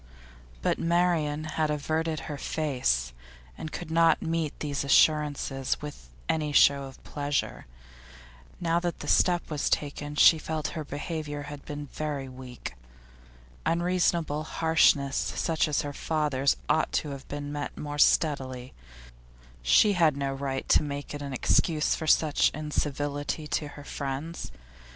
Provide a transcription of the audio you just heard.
But Marian had averted her face, and could not meet these assurances with any show of pleasure. Now that the step was taken she felt that her behaviour had been very weak. Unreasonable harshness such as her father's ought to have been met more steadily; she had no right to make it an excuse for such incivility to her friends.